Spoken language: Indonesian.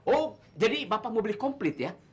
oh jadi bapak mau beli komplit ya